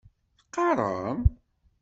Teqqarem?